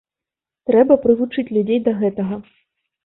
Трэба прывучаць людзей да гэтага!